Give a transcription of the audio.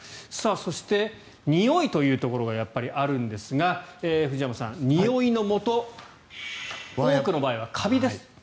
そして、においというところがやっぱりあるんですが藤山さん、においのもと多くの場合はカビです。